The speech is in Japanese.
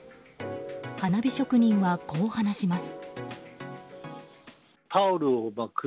花火職人はこう話します。